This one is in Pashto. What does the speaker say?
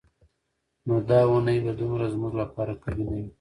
نو دا اونۍ به دومره زموږ لپاره قوي نه وي.